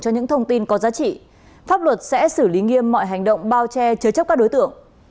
những thông tin có giá trị pháp luật sẽ xử lý nghiêm mọi hành động bao che chứa chấp các đối tượng